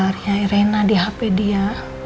riai riai rena di hp dia